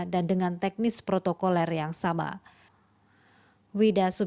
dan dengan teknis protokoler yang sama